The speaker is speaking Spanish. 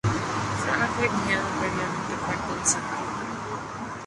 Se ha ajardinado y pavimentado parte de su entorno.